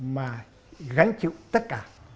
mà gánh chịu tất cả